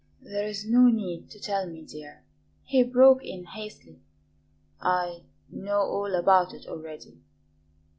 "There is no need to tell me, dear," he broke in hastily; "I know all about it already."